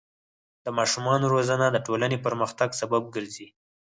د ماشومانو روزنه د ټولنې پرمختګ سبب ګرځي.